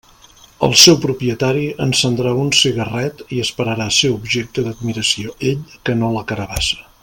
El seu propietari encendrà un cigarret i esperarà ser objecte d'admiració, ell, que no la carabassa.